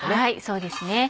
そうですね。